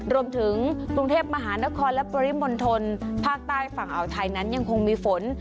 รวมถึงกรุงเทพมหานครและปริมณฑลภาคใต้ฝั่งอ่าวไทยนั้นยังคงมีฝน